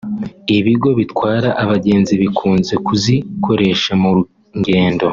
ibigo bitwara abagenzi bikunze kuzikoresha mu ngendo